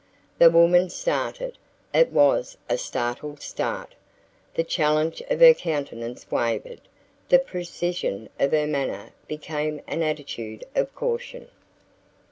The woman started. It was a startled start. The challenge of her countenance wavered; the precision of her manner became an attitude of caution.